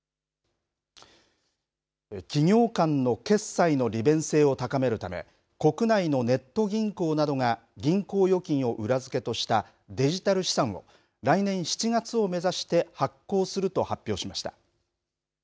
企業間の決済の利便性を高めるため国内のネット銀行などが銀行預金を裏付けとしたデジタル資産を来年７月を目指して発行すると発表しました。